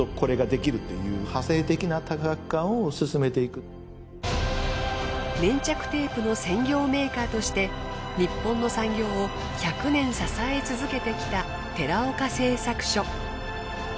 辻社長が粘着テープの専業メーカーとして日本の産業を１００年支え続けてきた寺岡製作所。